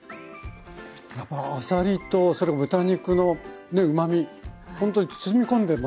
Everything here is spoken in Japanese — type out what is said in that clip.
やっぱあさりと豚肉のうまみほんとに包み込んでますね。